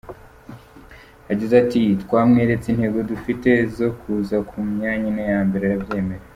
Yagize ati “Twamweretse intego dufite zo kuza mu myanya ine ya mbere arabyemera.